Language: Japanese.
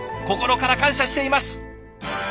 心から感謝しています。